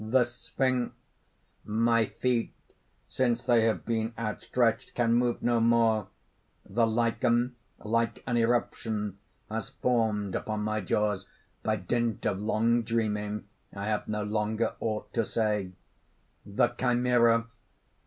THE SPHINX. "My feet, since they have been outstretched, can move no more. The lichen, like an eruption, has formed upon my jaws. By dint of long dreaming I have no longer aught to say." THE CHIMERA.